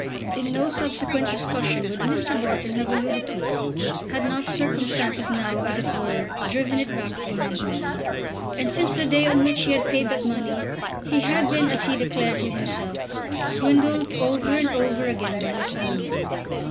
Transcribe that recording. In no subsequent discussion would Mr. Wharton have alluded to it, had not circumstances now as it were driven it back upon his mind. And since the day on which he had paid that money he had been, as he declared to himself, swindled over and over again by his son in law.